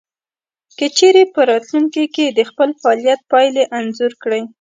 که چېرې په راتلونکې کې د خپل فعاليت پايلې انځور کړئ.